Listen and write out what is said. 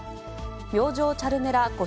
明星チャルメラ５